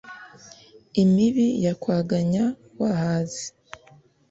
Imibi yakwaganya wahaze